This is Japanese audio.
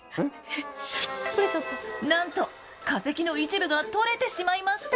なんと化石の一部が取れてしまいました。